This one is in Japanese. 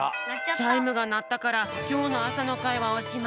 チャイムがなったからきょうのあさのかいはおしまいだよ。